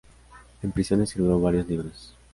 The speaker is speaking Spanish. En prisión escribió varios libros.